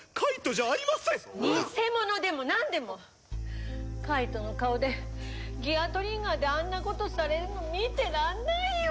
偽者でもなんでも介人の顔でギアトリンガーであんなことされるの見てらんないよ。